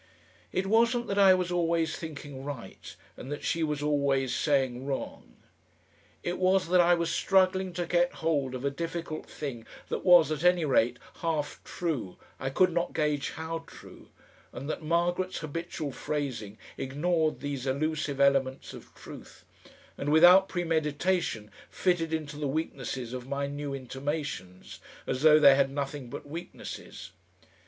It wasn't that I was always thinking right, and that she was always saying wrong. It was that I was struggling to get hold of a difficult thing that was, at any rate, half true, I could not gauge how true, and that Margaret's habitual phrasing ignored these elusive elements of truth, and without premeditation fitted into the weaknesses of my new intimations, as though they had nothing but weaknesses.